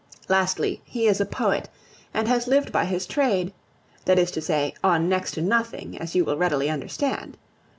Lastly, he is a poet, and has lived by his trade that is to say, on next to nothing, as you will readily understand.